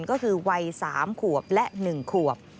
ก็คือวัย๓ขวบและ๑ขวบ